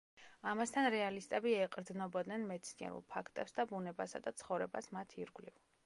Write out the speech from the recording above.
ამასთან რეალისტები ეყრდნობოდნენ მეცნიერულ ფაქტებს და ბუნებასა და ცხოვრებას მათ ირგვლივ.